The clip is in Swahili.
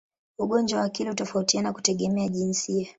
Ugonjwa wa akili hutofautiana kutegemea jinsia.